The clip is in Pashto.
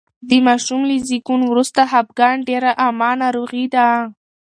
د ماشوم له زېږون وروسته خپګان ډېره عامه ناروغي ده.